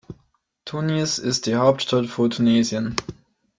Tunis ist die Hauptstadt von Tunesien.